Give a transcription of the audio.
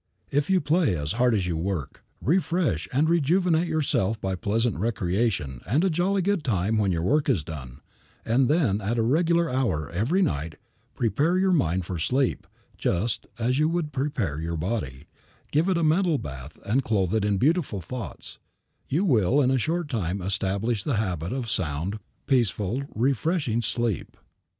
If you play as hard as you work, refresh and rejuvenate yourself by pleasant recreation and a jolly good time when your work is done, and then at a regular hour every night prepare your mind for sleep, just as you would prepare your body, give it a mental bath and clothe it in beautiful thoughts, you will in a short time establish the habit of sound, peaceful, refreshing sleep.